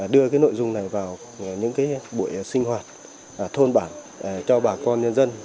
đưa nội dung này vào những buổi sinh hoạt thôn bản cho bà con nhân dân